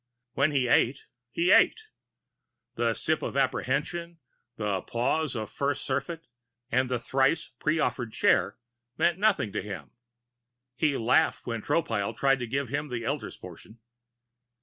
When he ate, he ate. The Sip of Appreciation, the Pause of First Surfeit, the Thrice Proffered Share meant nothing to him. He laughed when Tropile tried to give him the Elder's Portion.